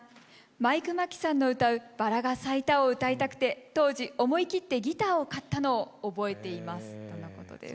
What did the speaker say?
マイク真木さんの歌う「バラが咲いた」を歌いたくて当時思い切ってギターを買ったのを覚えていますとのことです。